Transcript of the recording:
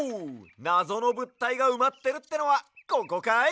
なぞのぶったいがうまってるってのはここかい？